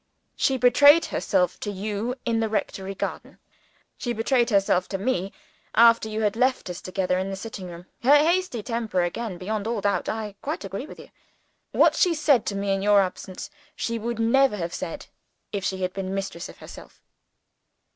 She betrayed herself to you in the rectory garden. She betrayed herself to me, after you had left us together in the sitting room. Her hasty temper again, beyond all doubt! I quite agree with you. What she said to me in your absence, she would never have said if she had been mistress of herself."